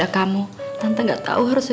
aku ini udah ga tahu siapa itu